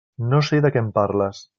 No sé de què em parles.